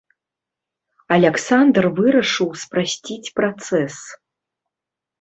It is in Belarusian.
Аляксандр вырашыў спрасціць працэс.